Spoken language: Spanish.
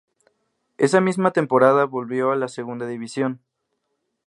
Esa misma temporada volvió a la segunda división.